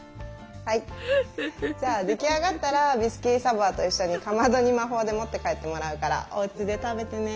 はいじゃあ出来上がったらビスキュイ・ド・サヴォワと一緒にかまどに魔法で持って帰ってもらうからおうちで食べてね。